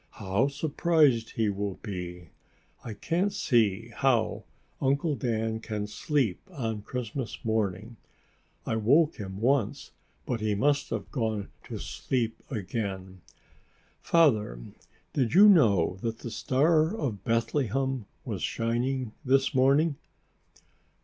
How surprised he will be! I can't see how Uncle Dan can sleep on Christmas morning. I woke him once, but he must have gone to sleep again. Father, did you know that the star of Bethlehem was shining this morning?"